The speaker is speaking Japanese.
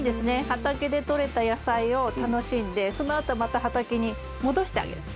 畑でとれた野菜を楽しんでそのあとまた畑に戻してあげる。